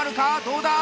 どうだ？